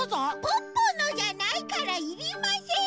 ポッポのじゃないからいりません！